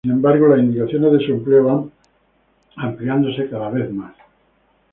Sin embargo, las indicaciones de su empleo van ampliándose cada vez más.